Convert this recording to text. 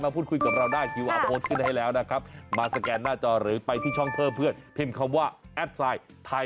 เพราะติดตามไปพร้อมกัน